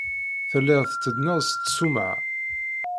Telliḍ tetteddneḍ-d seg tṣumɛa.